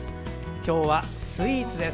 今日はスイーツです。